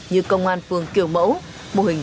như công an phường kiểu mẫu mô hình